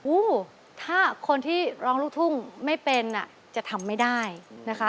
ถ้าคนที่ร้องลูกทุ่งไม่เป็นอ่ะจะทำไม่ได้นะคะ